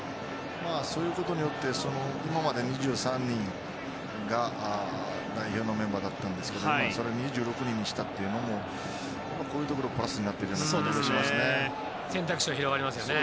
そういうことによって今まで２３人が代表のメンバーでしたがそれを２６人にしたというのもこういうところがプラスになってる気がしますね。